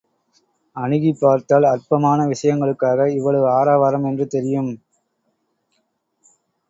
அணுகிப் பார்த்தால் அற்பமான விஷயங்களுக்காக இவ்வளவு ஆரவாரம் என்று தெரியும்!